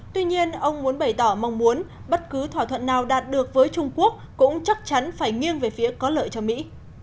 tuy nhiên ông muốn bày tỏ mong muốn bất cứ thỏa thuận nào đạt được với trung quốc cũng chắc chắn phải nghiêng về phía có lợi cho mỹ